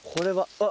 あっ。